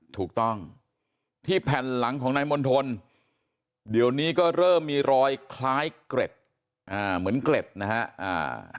ถูกต้องที่แผ่นหลังของนายมณฑลเดี๋ยวนี้ก็เริ่มมีรอยคล้ายเกร็ดอ่าเหมือนเกล็ดนะฮะ